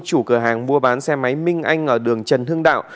chủ cửa hàng mua bán xe máy minh anh ở đường trần hưng đạo